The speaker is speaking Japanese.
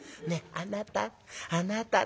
『あなたっ。あなたっ。